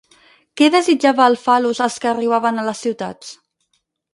Què desitjava el fal·lus als que arribaven a les ciutats?